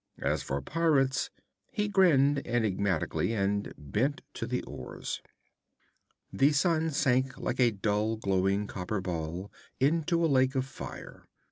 As for pirates ' He grinned enigmatically, and bent to the oars. The sun sank like a dull glowing copper ball into a lake of fire.